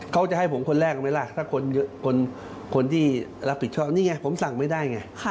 เขาจะให้ผมคนแรกไหมล่ะถ้าคนที่รับผิดชอบนี่ไงผมสั่งไม่ได้ไง